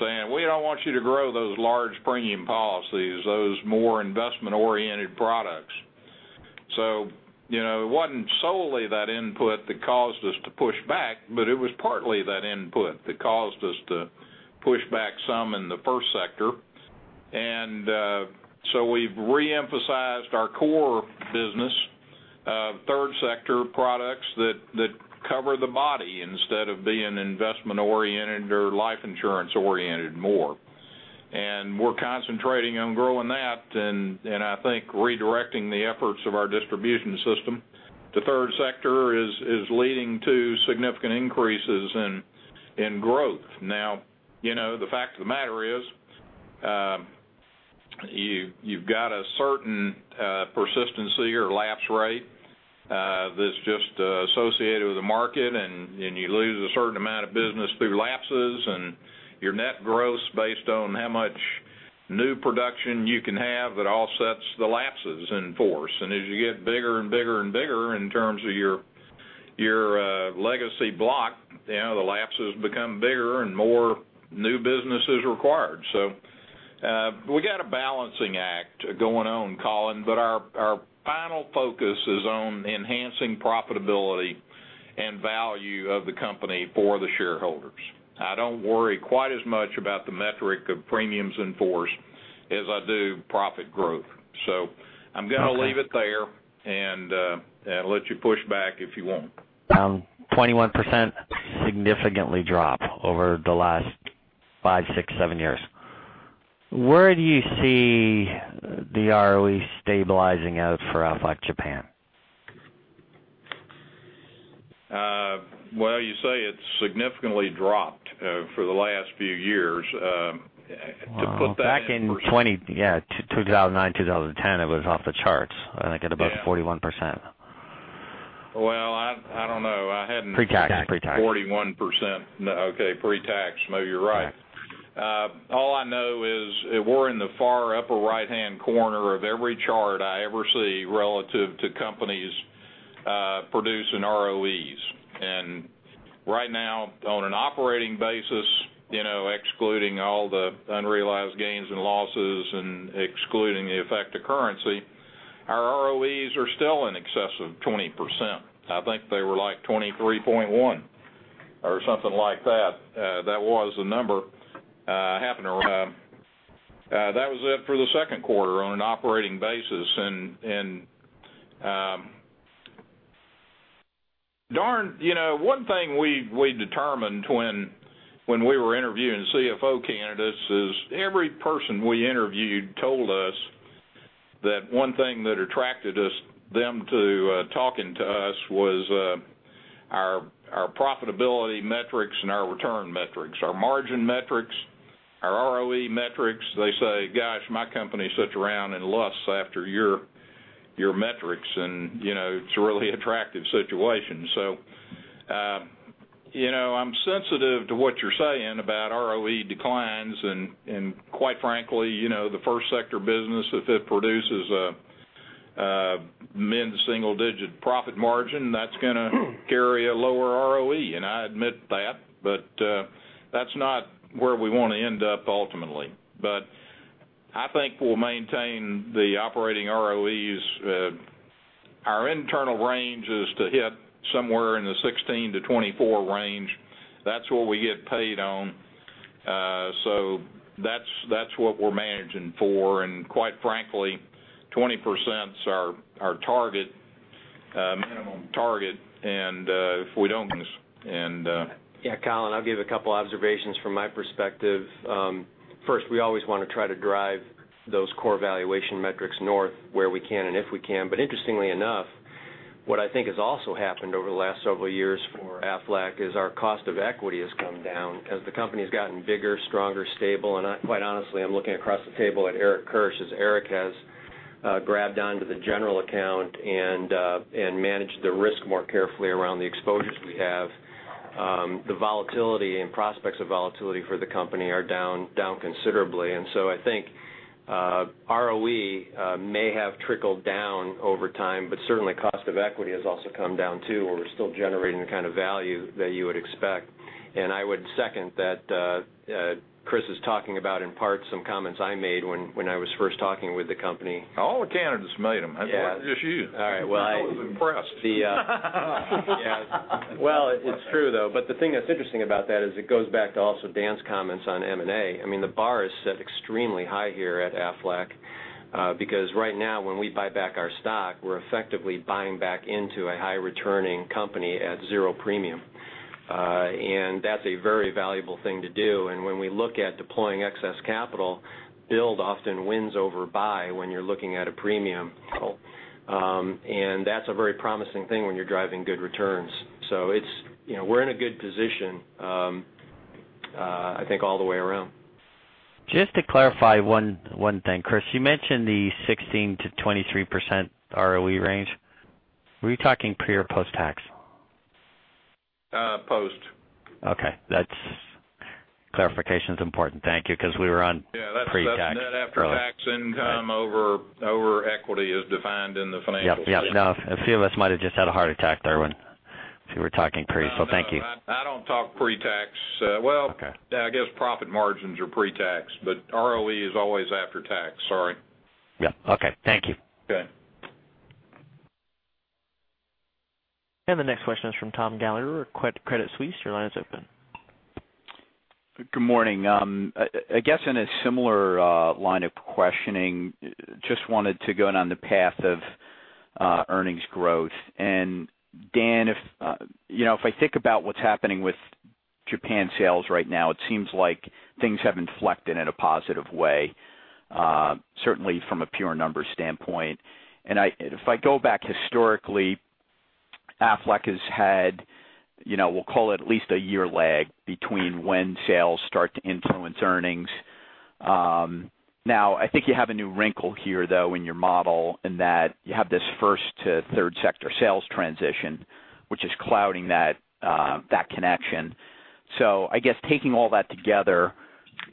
saying, "We don't want you to grow those large premium policies, those more investment-oriented products." It wasn't solely that input that caused us to push back, but it was partly that input that caused us to push back some in the first sector. We've re-emphasized our core business of third sector products that cover the body instead of being investment-oriented or life insurance-oriented more. We're concentrating on growing that and I think redirecting the efforts of our distribution system to third sector is leading to significant increases in growth. Now, the fact of the matter is, you've got a certain persistency or lapse rate that's just associated with the market, and you lose a certain amount of business through lapses, and your net growth is based on how much new production you can have that offsets the lapses in force. As you get bigger and bigger and bigger in terms of your legacy block, the lapses become bigger and more new business is required. We got a balancing act going on, Colin, but our final focus is on enhancing profitability and value of the company for the shareholders. I don't worry quite as much about the metric of premiums in force as I do profit growth. I'm going to leave it there and let you push back if you want. 21% significantly dropped over the last five, six, seven years. Where do you see the ROE stabilizing out for Aflac Japan? Well, you say it significantly dropped for the last few years. Back in 2009, 2010, it was off the charts. I think at about 41%. Well, I don't know. Pre-tax. Pre-tax 41%. Okay, pre-tax, maybe you're right. All I know is we're in the far upper right-hand corner of every chart I ever see relative to companies producing ROEs. Right now, on an operating basis, excluding all the unrealized gains and losses and excluding the effect of currency, our ROEs are still in excess of 20%. I think they were like 23.1 or something like that. That was the number. That was it for the second quarter on an operating basis. Darn. One thing we determined when we were interviewing CFO candidates is every person we interviewed told us that one thing that attracted them to talking to us was our profitability metrics and our return metrics, our margin metrics, our ROE metrics. They say, "Gosh, my company sits around and lusts after your metrics, and it's a really attractive situation." I'm sensitive to what you're saying about ROE declines. Quite frankly, the first sector business, if it produces a mid to single-digit profit margin, that's going to carry a lower ROE. I admit that. That's not where we want to end up ultimately. I think we'll maintain the operating ROEs. Our internal range is to hit somewhere in the 16 to 24 range. That's what we get paid on. That's what we're managing for. Quite frankly, 20% is our minimum target, if we don't miss. Yeah, Colin, I'll give a couple observations from my perspective. First, we always want to try to drive those core valuation metrics north where we can and if we can. Interestingly enough, what I think has also happened over the last several years for Aflac is our cost of equity has come down as the company's gotten bigger, stronger, stable, and quite honestly, I'm looking across the table at Eric Kirsch, as Eric has grabbed onto the general account and managed the risk more carefully around the exposures we have. The volatility and prospects of volatility for the company are down considerably. So I think ROE may have trickled down over time, but certainly cost of equity has also come down, too, where we're still generating the kind of value that you would expect. I would second that Kriss is talking about, in part, some comments I made when I was first talking with the company. All the candidates made them. Yeah. It wasn't just you. All right. Well. I was impressed. Well, it's true, though. The thing that's interesting about that is it goes back to also Dan's comments on M&A. I mean, the bar is set extremely high here at Aflac because right now, when we buy back our stock, we're effectively buying back into a high returning company at zero premium. That's a very valuable thing to do. When we look at deploying excess capital, build often wins over buy when you're looking at a premium. That's a very promising thing when you're driving good returns. We're in a good position, I think all the way around. Just to clarify one thing. Kriss, you mentioned the 16%-23% ROE range. Were you talking pre or post-tax? Post. Okay. Clarification's important. Thank you, because we were on pre-tax earlier. Yeah, that's net after tax income over equity as defined in the financial statement. Yep. No, a few of us might have just had a heart attack there when you were talking pre. Thank you. No, I don't talk pre-tax. Okay. Well, I guess profit margins are pre-tax, but ROE is always after-tax. Sorry. Yeah. Okay. Thank you. Okay. The next question is from Thomas Gallagher with Credit Suisse. Your line is open. Good morning. I guess in a similar line of questioning, just wanted to go down the path of earnings growth. Dan, if I think about what's happening with Japan sales right now, it seems like things have inflected in a positive way, certainly from a pure numbers standpoint. If I go back historically, Aflac has had, we'll call it at least a year lag between when sales start to influence earnings. Now, I think you have a new wrinkle here, though, in your model, in that you have this first to third sector sales transition, which is clouding that connection. I guess taking all that together,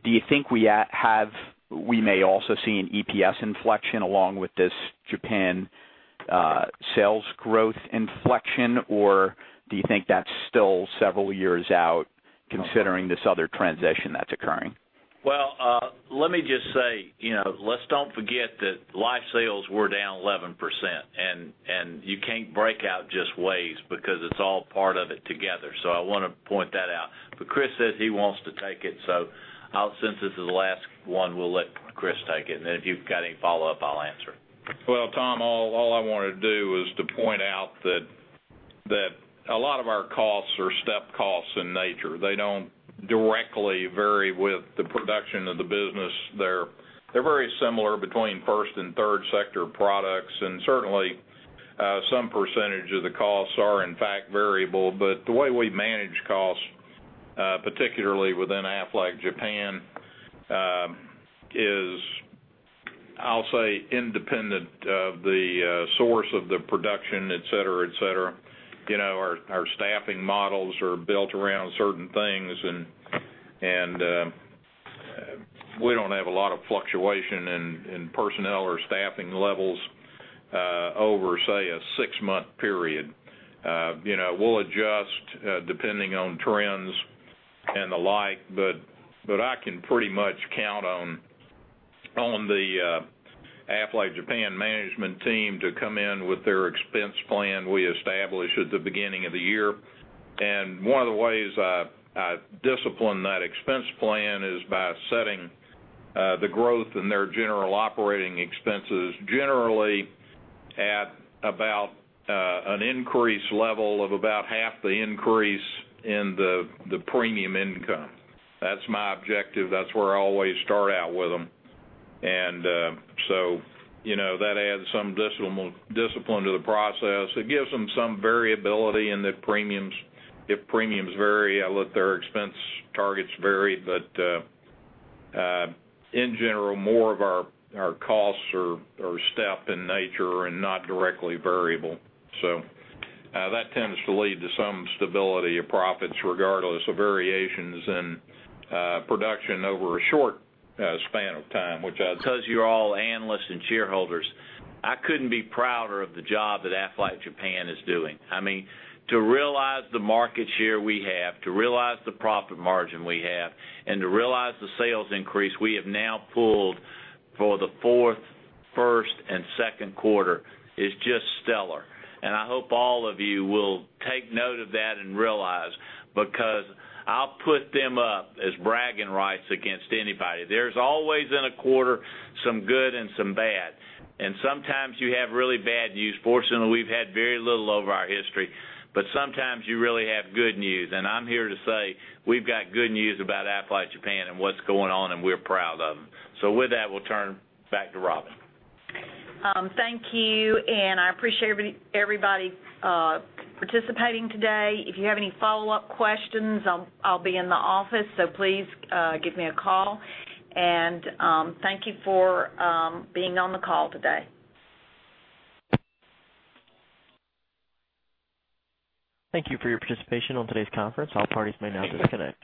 do you think we may also see an EPS inflection along with this Japan sales growth inflection, or do you think that's still several years out considering this other transition that's occurring? Well, let me just say, let's don't forget that life sales were down 11%, and you can't break out just WAYS because it's all part of it together. I want to point that out. Kriss says he wants to take it, so since this is the last one, we'll let Kriss take it, and then if you've got any follow-up, I'll answer it. Well, Thomas, all I wanted to do was to point out that a lot of our costs are step costs in nature. They don't directly vary with the production of the business. They're very similar between first sector and third sector products, and certainly some percentage of the costs are in fact variable. The way we manage costs, particularly within Aflac Japan, is, I'll say, independent of the source of the production, et cetera. Our staffing models are built around certain things, and we don't have a lot of fluctuation in personnel or staffing levels over, say, a six-month period. We'll adjust depending on trends and the like, but I can pretty much count on the Aflac Japan management team to come in with their expense plan we establish at the beginning of the year. One of the ways I discipline that expense plan is by setting the growth in their general operating expenses generally at about an increase level of about half the increase in the premium income. That's my objective. That's where I always start out with them. That adds some discipline to the process. It gives them some variability in the premiums. If premiums vary, I let their expense targets vary. In general, more of our costs are step in nature and not directly variable. That tends to lead to some stability of profits regardless of variations in production over a short span of time. Because you're all analysts and shareholders, I couldn't be prouder of the job that Aflac Japan is doing. To realize the market share we have, to realize the profit margin we have, and to realize the sales increase we have now pulled for the fourth, first, and second quarter is just stellar. I hope all of you will take note of that and realize, because I'll put them up as bragging rights against anybody. There's always in a quarter some good and some bad, and sometimes you have really bad news. Fortunately, we've had very little over our history, but sometimes you really have good news, and I'm here to say we've got good news about Aflac Japan and what's going on, and we're proud of them. With that, we'll turn back to Robin. Thank you, and I appreciate everybody participating today. If you have any follow-up questions, I'll be in the office, so please give me a call. Thank you for being on the call today. Thank you for your participation on today's conference. All parties may now disconnect.